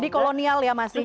keteponial ya masih